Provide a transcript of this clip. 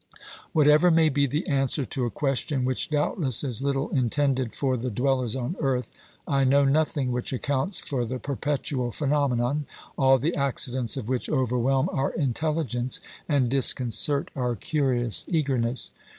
Whatever may be the answer to a question which doubtless is little intended for the dwellers on earth, I know nothing which accounts for the perpetual phenomenon, all the accidents of iwhich overwhelm our intelligence and disconcert our curious eagerness.